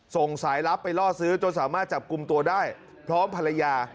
ส่งสายลับไปล่อซื้อจนสามารถจับกลุ่มตัวได้พร้อมภรรยา